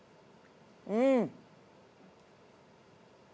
うん。